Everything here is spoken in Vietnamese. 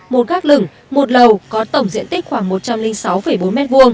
một gác lửng một lầu có tổng diện tích khoảng một trăm linh sáu bốn m hai